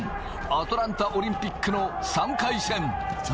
アトランタオリンピックの３回戦。